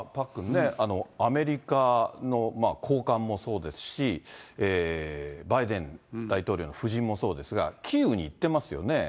パックンね、アメリカの高官もそうですし、バイデン大統領の夫人もそうですが、キーウに行ってますよね。